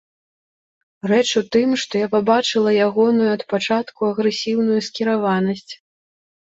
Рэч у тым, што я пабачыла ягоную ад пачатку агрэсіўную скіраванасць.